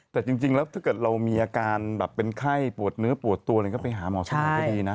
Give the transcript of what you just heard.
แต่จริงแล้วถ้าเกิดเรามีอาการแบบเป็นไข้ปวดเนื้อปวดตัวอะไรก็ไปหาหมอที่ไหนก็ดีนะ